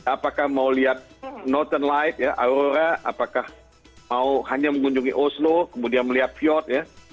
apakah mau lihat northern lights ya aurora apakah mau hanya mengunjungi oslo kemudian melihat fjord ya